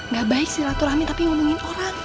gak baik sih laturahmi ngomongin orang